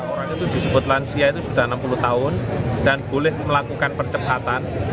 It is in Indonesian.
orang itu disebut lansia itu sudah enam puluh tahun dan boleh melakukan percepatan